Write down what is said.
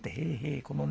このね